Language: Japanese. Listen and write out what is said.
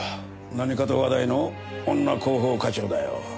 何かと話題の女広報課長だよ。